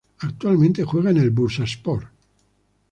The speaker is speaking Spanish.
Actualmente juega en el Bursaspor.